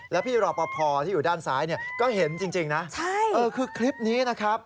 แล้วพี่รอปภที่อยู่ด้านซ้ายเนี่ยก็เห็นจริงนะคือคลิปนี้นะครับ